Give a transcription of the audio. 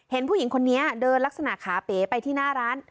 เห็นผู้หญิงคนนี้เดินลักษณะขาเป๋ไปที่หน้าร้าน